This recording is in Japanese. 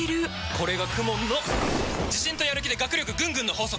これがＫＵＭＯＮの自信とやる気で学力ぐんぐんの法則！